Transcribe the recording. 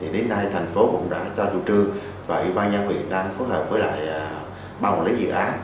đến nay thành phố cũng đã cho chủ trương và ủy ban nhân huyện phù hợp với bà con lấy dự án